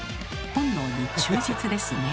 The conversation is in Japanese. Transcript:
「本能に忠実ですね」。